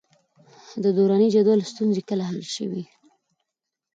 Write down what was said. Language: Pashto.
د دوراني جدول ستونزې کله حل شوې؟